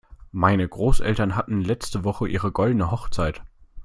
Meine Großeltern hatten letzte Woche ihre goldene Hochzeit.